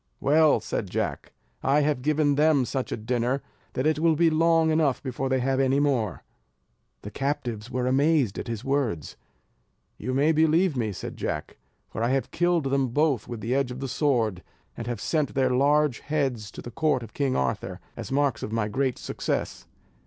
"Well," said Jack, "I have given them such a dinner that it will be long enough before they have any more." The captives were amazed at his words. "You may believe me," said Jack; "for I have killed them both with the edge of the sword, and have sent their large heads to the court of King Arthur, as marks of my great success."